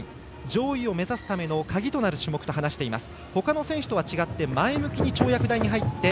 上位を目指すための鍵となる種目と話しています。